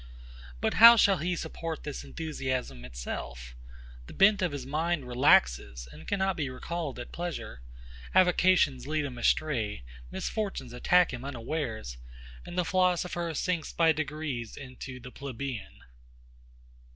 But how shall he support this enthusiasm itself? The bent of his mind relaxes, and cannot be recalled at pleasure; avocations lead him astray; misfortunes attack him unawares; and the philosopher sinks by degrees into the plebeian.